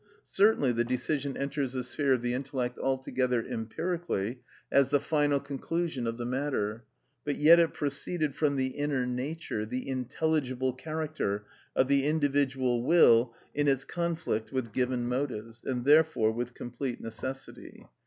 Certainly the decision enters the sphere of the intellect altogether empirically, as the final conclusion of the matter; but yet it proceeded from the inner nature, the intelligible character, of the individual will in its conflict with given motives, and therefore with complete necessity.